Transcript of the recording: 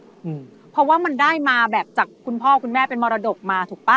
อืมเพราะว่ามันได้มาแบบจากคุณพ่อคุณแม่เป็นมรดกมาถูกป่ะ